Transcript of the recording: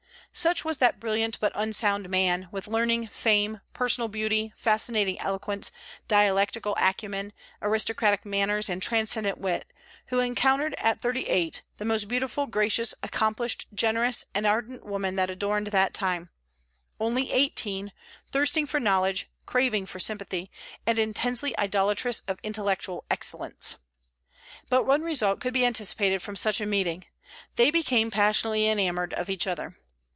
Such was that brilliant but unsound man, with learning, fame, personal beauty, fascinating eloquence, dialectical acumen, aristocratic manners, and transcendent wit, who encountered at thirty eight the most beautiful, gracious, accomplished, generous, and ardent woman that adorned that time, only eighteen, thirsting for knowledge, craving for sympathy, and intensely idolatrous of intellectual excellence. But one result could be anticipated from such a meeting: they became passionately enamored of each other.